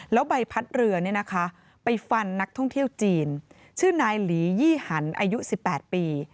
แล้วใบพัดเรือไปฟันนักท่องเที่ยวจีนชื่อนายหลียี่หันอายุ๑๘ปี